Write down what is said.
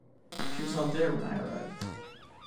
She was not there when I arrived.